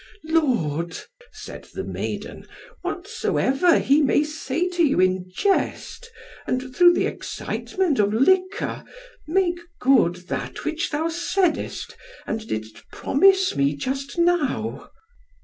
"Lord," said the maiden, "whatsoever he may say to thee in jest, and through the excitement of liquor, make good that which thou saidest and didst promise me just now."